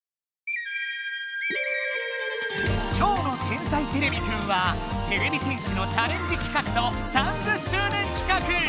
今日の「天才てれびくん」はてれび戦士のチャレンジきかくと３０周年きかく！